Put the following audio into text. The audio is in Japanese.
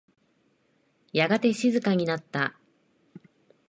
やがて静かになった。